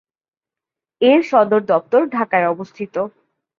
এর সদর দপ্তর ঢাকায় অবস্থিত।